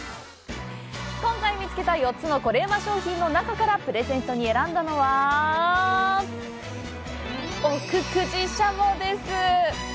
今回見つけた、４つのコレうま商品の中から、プレゼントに選んだのは奥久慈しゃもです！